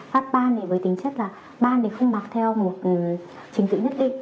phát ban với tính chất là ban không mặc theo một trình tự nhất định